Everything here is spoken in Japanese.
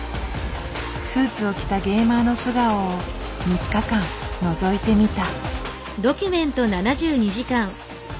スーツを着たゲーマーの素顔を３日間のぞいてみた。